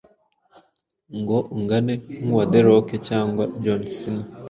ngo ungane nk’uwa The rock cyangwa John Cina